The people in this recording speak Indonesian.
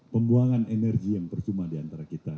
pembuangan energi yang percuma diantara kita